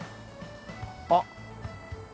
あっ。